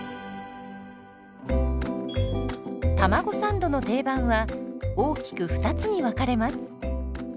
たまごサンドの定番は大きく２つに分かれます。